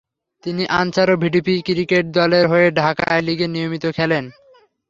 তিনি আনসার ও VDP cricket দলের হয়ে ঢাকায় লিগে নিয়মিত খেলেন।